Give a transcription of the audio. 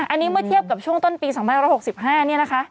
อันนี้เมื่อเทียบกับช่วงต้นปี๒๐๖๕เนี่ยนะคะ